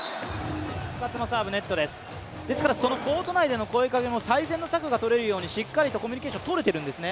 コート内での声かけも最善の策がとれるようにしっかりとコミュニケーションがとれているんですね。